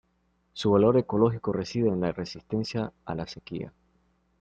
Su valor ecológico reside en la resistencia a la sequía.